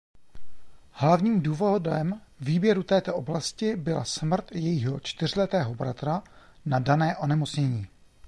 Hlavním důvodem výběru této oblasti byla smrt jejího čtyřletého bratra na dané onemocnění.